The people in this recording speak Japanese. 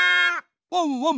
ワンワン！